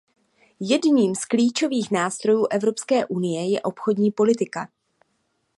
Jedním z klíčových nástrojů Evropské unie je obchodní politika.